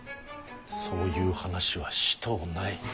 そういう話はしとうない。